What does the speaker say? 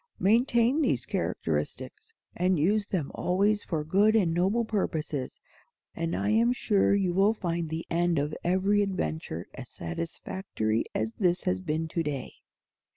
"Maintain these characteristics, and use them always for good and noble purposes, and I am sure you will find the end of every adventure as satisfactory as this has been to day.